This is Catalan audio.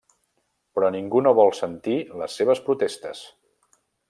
Però ningú no vol sentir les seves protestes.